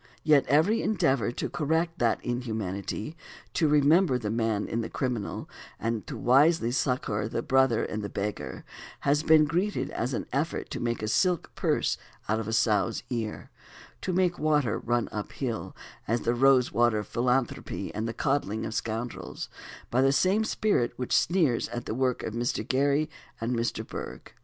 Yet every endeavor to correct that inhumanity, to remember the man in the criminal, and wisely to succor a brother in the beggar, has been greeted as an effort to make a silk purse of a sow's ear, to make water run uphill, as the rose water philanthropy and the coddling of scoundrels, by the same spirit which sneers at the work of Mr. Gerry and Mr. Bergh.